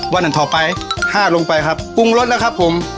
อันต่อไปห้าลงไปครับปรุงรสแล้วครับผม